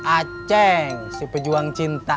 aceng si pejuang cinta